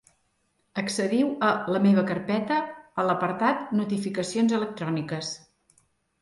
Accediu a La meva carpeta a l'apartat Notificacions electròniques.